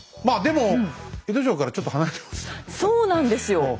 まあでもそうなんですよ。